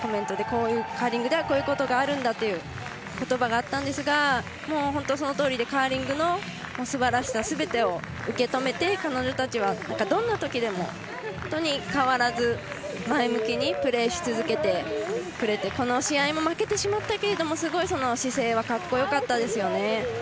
カーリングではこういうことがあるんだという言葉があったんですが本当、そのとおりでカーリングのすばらしさすべてを受け止めて彼女たちはどんなときも変わらず前向きにプレーし続けてくれてこの試合も負けてしまったけれどもすごい、その姿勢は格好よかったですね。